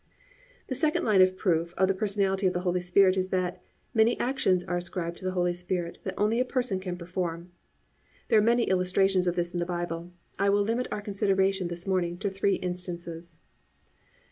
2. The second line of proof of the personality of the Holy Spirit is that, many actions are ascribed to the Holy Spirit that only a person can perform. There are many illustrations of this in the Bible; but I will limit our consideration this morning to three instances.